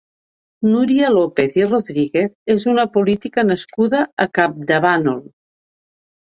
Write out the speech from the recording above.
Núria López i Rodríguez és una política nascuda a Campdevànol.